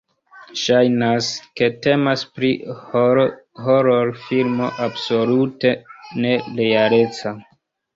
Ŝajnas, ke temas pri hororfilmo absolute ne-realeca.